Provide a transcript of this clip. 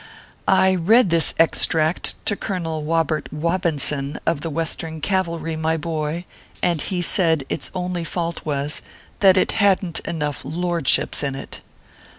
I read this extract to Colonel Wobert Wobinson, of the Western Cavalry, my boy, and he said its only fault was, that it hadn t enough lordships in it.